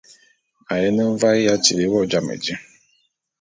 M’ ayene mvae ya tili wo jam di.